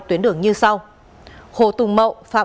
trong năm hai nghìn hai mươi